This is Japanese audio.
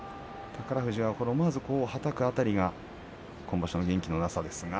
宝富士が思わずはたく辺りが今場所の元気のなさですが。